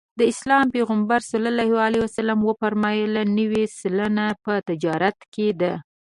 د اسلام پیغمبر ص وفرمایل نوې سلنه په تجارت کې ده.